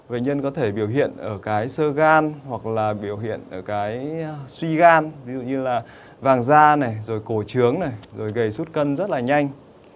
bệnh nhân có thể biểu hiện ở cái sơ gan hoặc là biểu hiện ở cái suy gan ví dụ như là vàng da này rồi cổ trướng này rồi gầy sút cân rất là nhanh